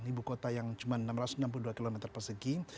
ibu kota yang cuma enam ratus enam puluh dua km persegi